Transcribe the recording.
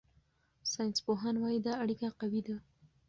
ساینسپوهان وايي دا اړیکه قوي ده.